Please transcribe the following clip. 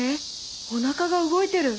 おなかが動いてる！